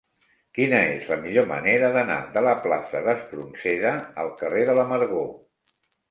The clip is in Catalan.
Quina és la millor manera d'anar de la plaça d'Espronceda al carrer de l'Amargor?